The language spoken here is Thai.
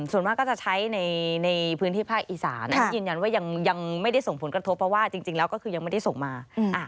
ส่วนมากก็จะใช้ในพื้นที่ภาคอีสานยืนยันว่ายังไม่ได้ส่งผลกระทบเพราะว่าจริงแล้วก็คือยังไม่ได้ส่งมา